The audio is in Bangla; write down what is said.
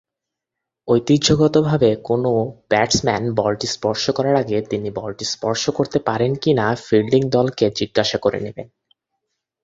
ঐতিহ্যগতভাবে কোনও ব্যাটসম্যান বলটি স্পর্শ করার আগে তিনি বলটি স্পর্শ করতে পারেন কিনা ফিল্ডিং দলকে জিজ্ঞাসা করে নেবেন।